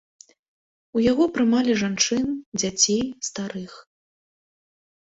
У яго прымалі жанчын, дзяцей, старых.